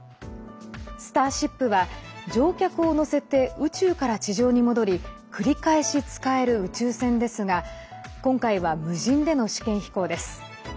「スターシップ」は乗客を乗せて宇宙から地上に戻り繰り返し使える宇宙船ですが今回は、無人での試験飛行です。